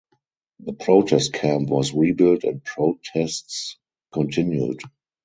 The protest camp was rebuilt and protests continued.